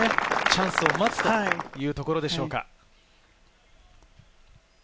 チャンスを待つというところでしょうか。